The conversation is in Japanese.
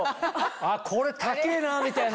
あっこれ高ぇなみたいな。